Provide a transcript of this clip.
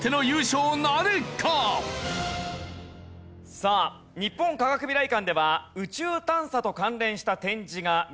さあ日本科学未来館では宇宙探査と関連した展示が見られるんですね。